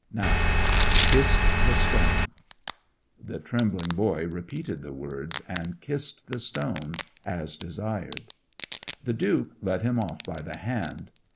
Now kiss the stone.' The trembling boy repeated the words, and kissed the stone, as desired. The Duke led him off by the hand.